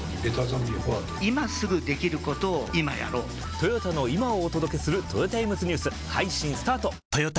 トヨタの今をお届けするトヨタイムズニュース配信スタート！！！